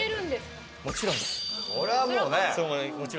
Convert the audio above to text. これはもうね。